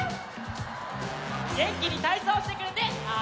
げんきにたいそうしてくれてありがとう！